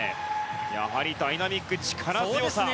やはりダイナミック力強さ！